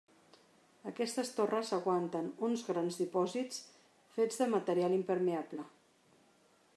Aquestes torres aguanten uns grans dipòsits fets de material impermeable.